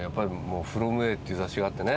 『フロム・エー』っていう雑誌があってね。